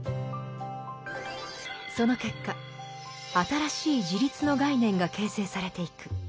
その結果新しい自立の概念が形成されていく。